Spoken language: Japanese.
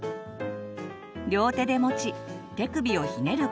両手で持ち手首をひねる